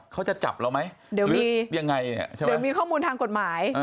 เขาจะจับเราไหมเดี๋ยวมียังไงใช่ไหมเดี๋ยวมีข้อมูลทางกฎหมาย